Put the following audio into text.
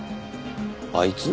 あいつ？